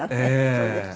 そうですか。